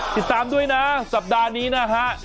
ติดตามด้วยนะสัปดาห์นี้นะฮะ